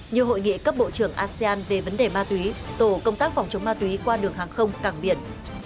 như hội nghị cấp bộ trưởng asean về vấn đề ma túy tổ công tác phòng chống ma túy qua đường hàng không cảng biển